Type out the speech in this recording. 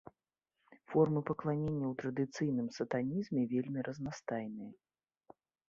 Формы пакланення ў традыцыйным сатанізме вельмі разнастайныя.